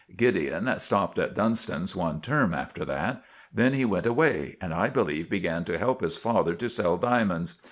Gideon stopped at Dunston's one term after that. Then he went away, and, I believe, began to help his father to sell diamonds.